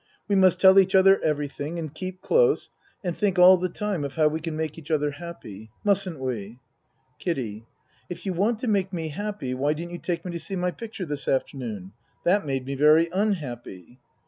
We must tell each other everything and keep close and think all the time of how we can make each other happy. Mustn't we? KIDDIE If you want to make me happy, why didn't you take me to see my picture this afternoon ? That made me very wwhappy.